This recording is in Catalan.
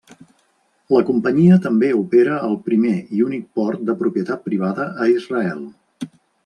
La companyia també opera el primer i únic port de propietat privada a Israel.